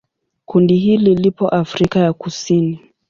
Kundi hili lipo Afrika ya Kusini.